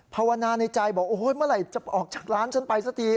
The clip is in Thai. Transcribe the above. ภาวนาในใจบอกโอ้โหเมื่อไหร่จะออกจากร้านฉันไปสักที